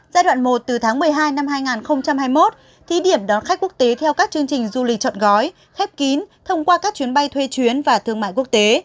giai đoạn một từ tháng một mươi hai năm hai nghìn hai mươi một thí điểm đón khách quốc tế theo các chương trình du lịch chọn gói khép kín thông qua các chuyến bay thuê chuyến và thương mại quốc tế